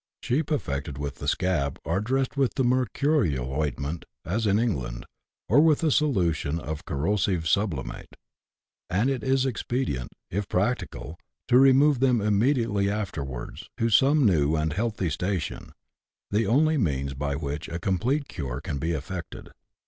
Sheep affected with the scab are dressed with the mercurial ointment, as in England, or with a solution of corrosive sublimate ; and it is expedient, if practicable, to remove them immediately afterwards to some new and healthy station, the only means by which a complete cure can be effected.